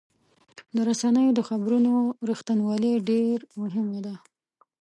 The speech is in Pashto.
د رسنیو د خبرونو رښتینولي ډېر مهمه ده.